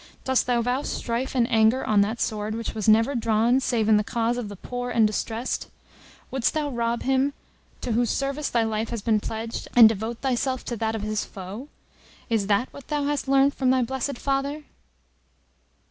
Dost thou vow strife and anger on that sword which was never drawn, save in the cause of the poor and distressed? Wouldst thou rob Him, to whose service thy life has been pledged, and devote thyself to that of His foe? Is this what thou hast learnt from thy blessed father?"